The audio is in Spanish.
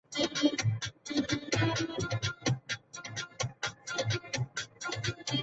Similar al anterior pero la lanza de una patada.